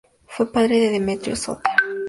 Fue padre de Demetrio I Sóter.